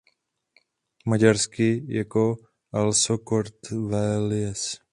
Maďarsky jako Alsókörtvélyes.